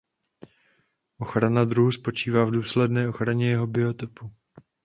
Ochrana druhu spočívá v důsledné ochraně jeho biotopu.